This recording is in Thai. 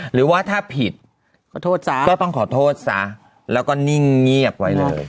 หรือว่าถ้าผิดขอโทษซะก็ต้องขอโทษซะแล้วก็นิ่งเงียบไว้เลย